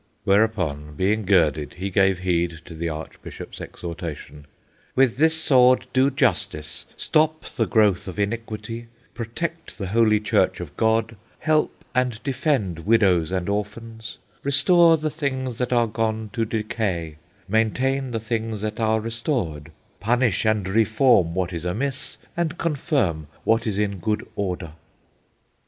Whereupon, being girded, he gave heed to the Archbishop's exhortation:— With this sword do justice, stop the growth of iniquity, protect the Holy Church of God, help and defend widows and orphans, restore the things that are gone to decay, maintain the things that are restored, punish and reform what is amiss, and confirm what is in good order.